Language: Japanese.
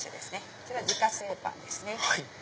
こちら自家製パンですね。